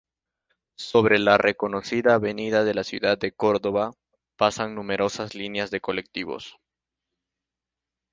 Sobre esta reconocida avenida de la Ciudad de Córdoba, pasan numerosas líneas de colectivos.